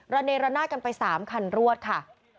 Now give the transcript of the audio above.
ระเน๗๓ไป๓คันรวดค่ะ